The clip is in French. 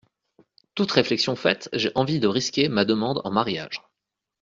Toute réflexion faite, j’ai envie de risquer ma demande en mariage.